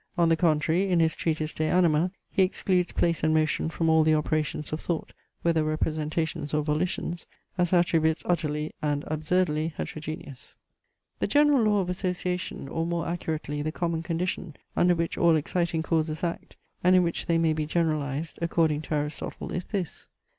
On the contrary, in his treatise De Anima, he excludes place and motion from all the operations of thought, whether representations or volitions, as attributes utterly and absurdly heterogeneous. The general law of association, or, more accurately, the common condition under which all exciting causes act, and in which they may be generalized, according to Aristotle is this.